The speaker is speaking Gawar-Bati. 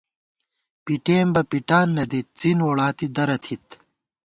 پِٹېم بہ پِٹان نہ دِت څِن ووڑاتی درہ تھِت